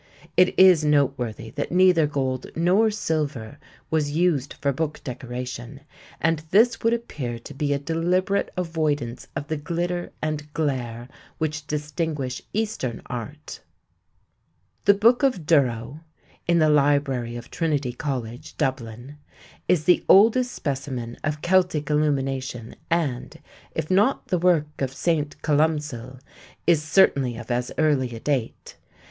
It is noteworthy that neither gold nor silver was used for book decoration, and this would appear to be a deliberate avoidance of the glitter and glare which distinguish eastern art. _The Book of Durrow _(in the Library of Trinity College, Dublin) is the oldest specimen of Celtic illumination and, if not the work of St. Columcille, is certainly of as early a date.